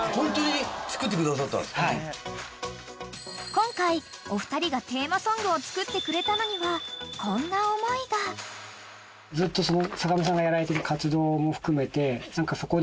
［今回お二人がテーマソングを作ってくれたのにはこんな思いが］そこで。